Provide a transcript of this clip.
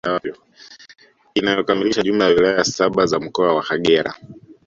Inayokamilisha jumla ya wilaya saba za Mkoa wa Kagera